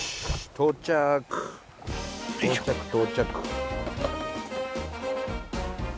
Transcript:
到着到着。